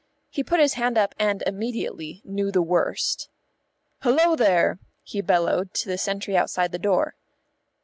He put his hand up and immediately knew the worst. "Hullo, there!" he bellowed to the sentry outside the door.